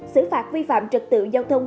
xử phạt vi phạm trực tựu giao thông